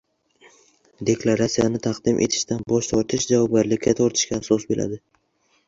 Deklaratsiyani taqdim etishdan bosh tortish javobgarlikka tortishga asos bo‘ladi.